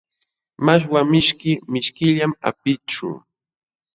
Mashwa mishki mishkillam apićhu.